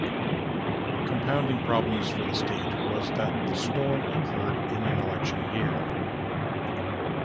Compounding problems for the state was that the storm occurred in an election year.